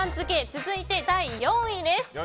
続いて第４位です。